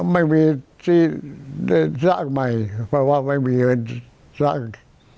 ไม่มีที่ได้สร้างใหม่เพราะว่าไม่มีเงินสร้าง